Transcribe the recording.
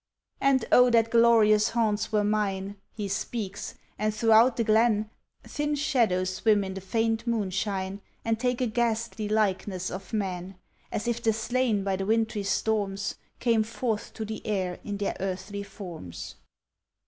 "And oh that those glorious haunts were mine!" He speaks, and throughout the glen Thin shadows swim in the faint moonshine, And take a ghastly likeness of men, As if the slain by the wintry storms Came forth to the air in their earthly forms.